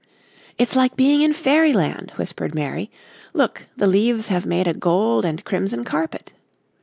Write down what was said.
"It's like being in fairyland," whispered Mary. "Look, the leaves have made a gold and crimson carpet."